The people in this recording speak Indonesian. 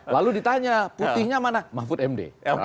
lalu ditanya putihnya mana mahfud md